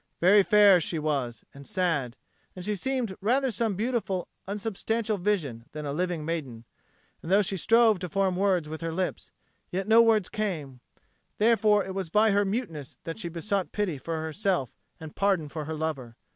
Very fair was she, and sad, and she seemed rather some beautiful unsubstantial vision than a living maiden; and though she strove to form words with her lips, yet no words came; therefore it was by her muteness that she besought pity for herself and pardon for her lover.